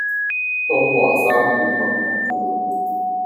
東華三院文物館